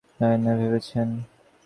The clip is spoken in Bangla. আমি কিছু জানি না ভেবেছেন?